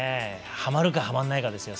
はまるか、はまらないかですよ